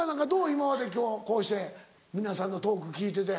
今まで今日こうして皆さんのトーク聞いてて。